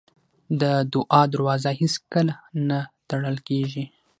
د دعا دروازه هېڅکله نه تړل کېږي.